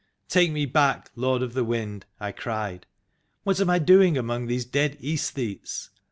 "Take me back, Lord of the Wind!" I cried. " What am I doing among these dead aesthetes?